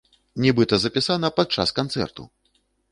Нібыта запісана падчас канцэрту!